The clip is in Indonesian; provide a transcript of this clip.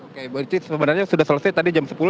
oke bu ici sebenarnya sudah selesai tadi jam sepuluh tapi ini